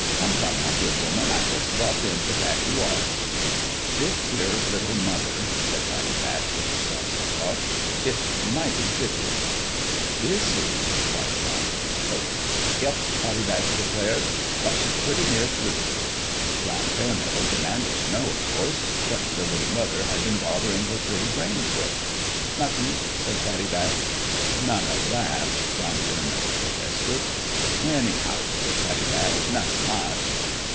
Come, come, my good woman ! I just dropped in to pack you off." " Thith here little mother," said Pattie Batch, with a saucy toss, " ith almighty bithy." " Busy !" cried John Fairmeadow. "Yep," Pattie Batch declared; "but she'th pretty near through." 178 A FATHER for The BABY John Fairmeadow demanded to know, of course, what the little mother had been bother ing her pretty brains with. " Nothin'," said Pattie Batch. " None o' that 1 " John Fairmeadow pro tested. " Anyhow," said Pattie Batch, " nothin' much."